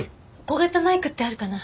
小型マイクってあるかな？